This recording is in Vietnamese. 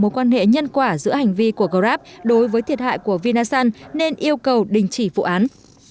mối quan hệ nhân quả giữa hành vi của grab đối với thiệt hại của vinasun nên yêu cầu đình chỉ vụ án